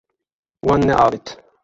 Wan neavêt.